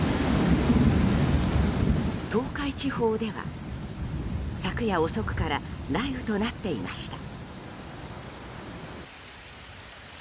東海地方では昨夜遅くから雷雨となっていました。